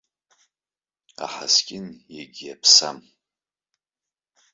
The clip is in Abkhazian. Аҳаскьын егьиаԥсам.